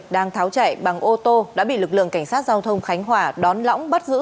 đang tháo chạy bằng ô tô đã bị lực lượng cảnh sát giao thông khánh hòa đón lõng bắt giữ